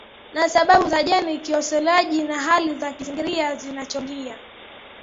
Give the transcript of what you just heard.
na sababu za jeni kisaikolojia na hali za kimazingira zinazochangia